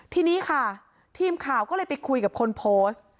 ทีนี้ค่ะทีมข่าวก็เลยไปคุยกับคนโพสต์